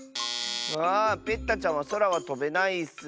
あペッタちゃんはそらはとべないッス。